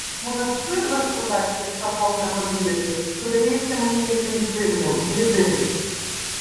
Монастир без козацьких шапок на подвір’ї видається мені якимсь дивним, блідим.